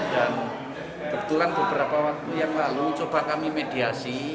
dan kebetulan beberapa waktu yang lalu coba kami mediasi